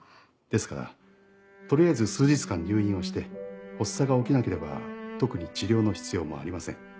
ですから取りあえず数日間入院をして発作が起きなければ特に治療の必要もありません。